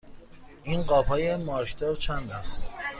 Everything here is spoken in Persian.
این قاب های مارکدار چند است؟